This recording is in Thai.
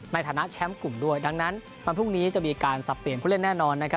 ในฐานะแชมป์กลุ่มด้วยดังนั้นวันพรุ่งนี้จะมีการสับเปลี่ยนผู้เล่นแน่นอนนะครับ